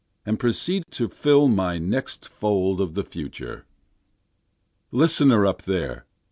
And proceed to fill my next fold of the future. Listener up there!